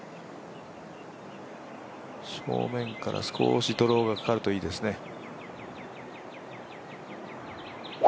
正面から少しドローがかかるといいですね。